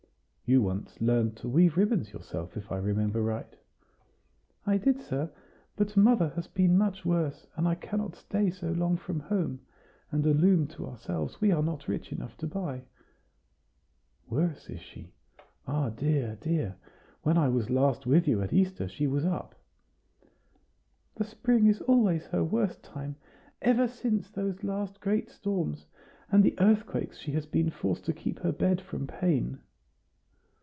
"You once learned to weave ribbons yourself, if I remember right?" "I did, sir; but mother has been much worse, and I cannot stay so long from home; and a loom to ourselves we are not rich enough to buy." "Worse, is she? Ah! dear, dear! when I was with you last, at Easter, she was up." "The spring is always her worst time. Ever since those last great storms, and the earthquakes she has been forced to keep her bed from pain."